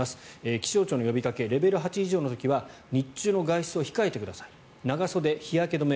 気象庁の呼びかけレベル８以上の時は日中の外出を控えてください長袖、日焼け止め